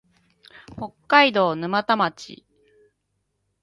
北海道沼田町